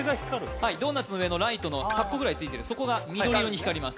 はいドーナツの上のライトの８個ぐらいついてるそこが緑色に光ります